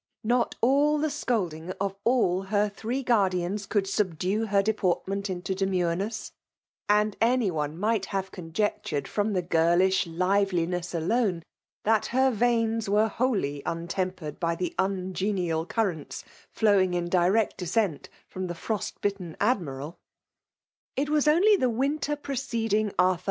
Not all the scold ing of all her three guardians could subdue her deportment into demnreness; and any one might have coi^ectured from the girlish liveU aess alone, that her veins were wholly untem pered by the ungenial currents flowing in direct descent from the frost bitten AdmiraL It was only the winter preceding Arthur IS2 FEMILIS DOMlKATfOK.